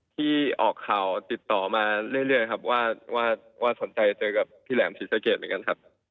ที่ออกข่าวติดต่อมาเรื่อยครับว่าสนใจเจอกับพี่แหลมศรีสะเกดเหมือนกันครับ